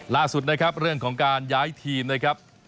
ล่าสุดนะครับเรื่องของการย้ายทีมนะครับ